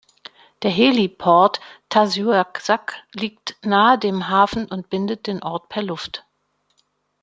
Der Heliport Tasiusaq liegt nahe dem Hafen und bindet den Ort per Luft.